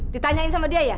ditanyain sama dia ya